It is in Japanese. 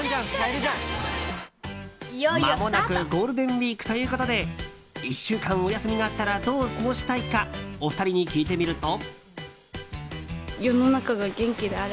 まもなくゴールデンウィークということで１週間お休みがあったらどう過ごしたいかお二人に聞いてみると。